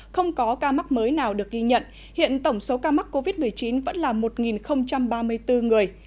không có ca mắc mới nào được ghi nhận hiện tổng số ca mắc covid một mươi chín vẫn là một ba mươi bốn người